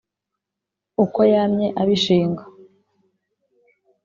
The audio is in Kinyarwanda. Uko yamye abishinga.